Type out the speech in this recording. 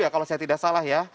ya kalau saya tidak salah ya